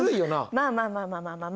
まあまあまあまあ。